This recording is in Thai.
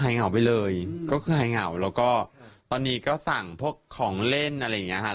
เหงาไปเลยก็คือหายเหงาแล้วก็ตอนนี้ก็สั่งพวกของเล่นอะไรอย่างนี้ค่ะ